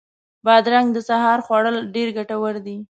بادرنګ د سهار خوړل ډېر ګټور دي.